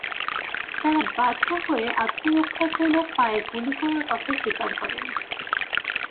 তাঁরা বাধ্য হয়ে আত্মরক্ষার জন্য পায়ে গুলি করার কথা স্বীকার করেন।